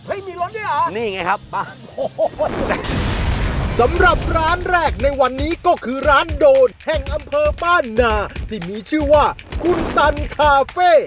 มีรถด้วยเหรอนี่ไงครับบ้านโอ้โหสำหรับร้านแรกในวันนี้ก็คือร้านโดดแห่งอำเภอบ้านนาที่มีชื่อว่าคุณตันคาเฟ่